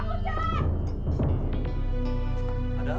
ibu gak ada kang